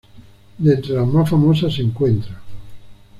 De entre las más famosas se encuentran;